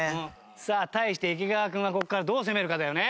さあ対して池川君はここからどう攻めるかだよね。